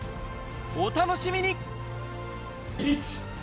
お楽しみに！